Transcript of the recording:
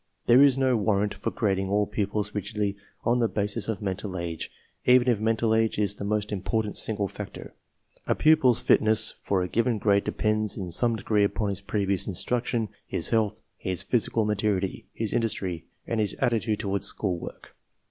There is no warrant for grading all pupils , rigidly on the basis of mental age, even if mental age is the most important single factor. A pupil's fitness for a given grade depends in some degree upon his previous / instruction, his health, his physical maturity, his ' industry, and his attitude toward school work.